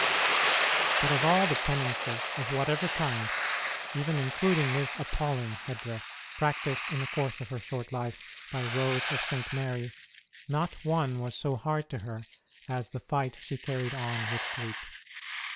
But of all the penances, of whatever kind even including this appalling head dress practised in the course of her short life by Rose of St. Mary, 14 ST. ROSE OF LIMA not one was so hard to her as the fight she carried on with sleep.